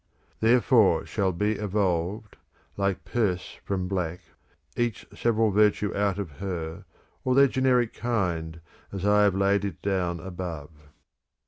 [io8] Therefore shall be evolved (like perse from black) ' Each several virtue out of her, or their generic kind, as I have laid it down above.